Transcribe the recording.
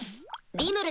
リムル。